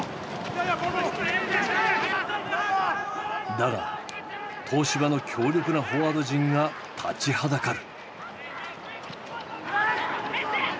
だが東芝の強力なフォワード陣が立ちはだかる。